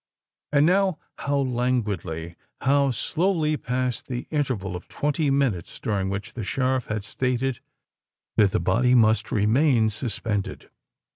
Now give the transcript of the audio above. And now how languidly—how slowly passed the interval of twenty minutes during which the Sheriff had stated that the body must remain suspended.